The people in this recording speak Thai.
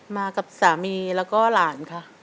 มากับสามีแล้วก็หลานค่ะ